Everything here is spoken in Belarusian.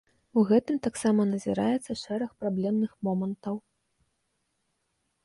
У гэтым таксама назіраецца шэраг праблемных момантаў.